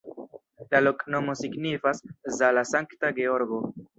La loknomo signifas: Zala-Sankta Georgo.